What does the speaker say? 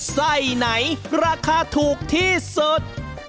ไส้ไหนราคาถูกที่สุด